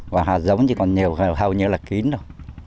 và hà giống chỉ còn nhiều hầu như là kín thôi